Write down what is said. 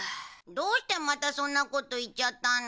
どうしてまたそんなこと言っちゃったの？